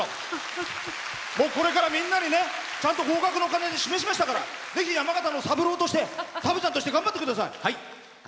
これからみんなにちゃんと合格の鐘を示しましたからぜひ、山形の三郎としてサブちゃんとして頑張ってください。